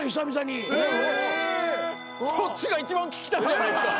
そっちが一番聞きたいじゃないですか。